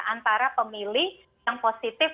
antara pemilih yang positif